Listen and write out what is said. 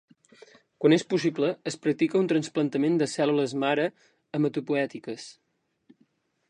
Quan és possible, es practica un trasplantament de cèl·lules mare hematopoètiques.